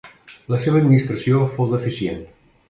La seva administració fou deficient.